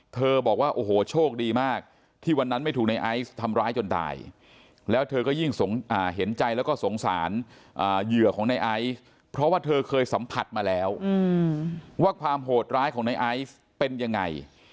บอกว่าโอ้โหโชคดีมากที่วันนั้นไม่ถูกในไอซ์ทำร้ายจนตายแล้วเธอก็ยิ่งเห็นใจแล้วก็สงสารเหยื่อของในไอซ์เพราะว่าเธอเคยสัมผัสมาแล้วว่าความโหดร้ายของในไอซ์เป็นยังไง